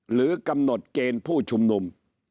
หรือกำหนดเกณฑ์ผู้ชุมนุม